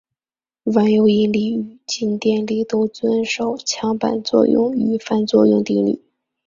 万有引力与静电力都遵守强版作用与反作用定律。